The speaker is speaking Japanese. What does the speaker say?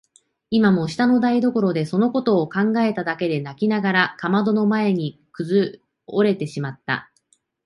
今も下の台所でそのことを考えただけで泣きながらかまどの前にくずおれてしまった。